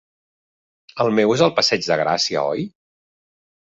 El meu és al Passeig de Gràcia, oi?